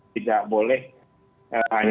tidak boleh hanya